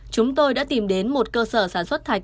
chúng tôi đã tìm đến một cơ sở sản xuất thạch